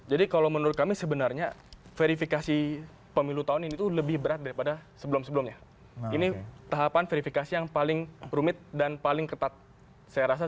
jadi kalau menurut kami sebenarnya verifikasi pemilu tahun ini tuh lebih berat daripada sebelum sebelumnya ini tahapan verifikasi yang paling rumit dan paling ketat saya rasa